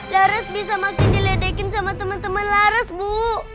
laras bisa makin diledekin sama temen temen laras bu